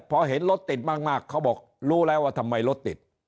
พอเห็นรถติดมากเขาบอกรู้แล้วว่าทำไมรถติด